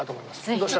どうした？